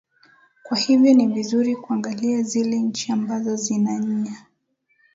kwa hivyo ni vizuri kuangalia zile nchi ambazo zina nya